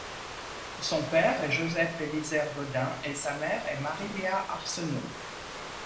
Son père est Joseph Elizer Godin et sa mère est Marie Léa Arsenault.